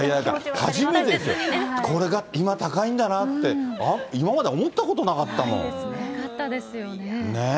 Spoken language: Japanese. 初めてですよ、これが今高いんだなって、なかったですよね。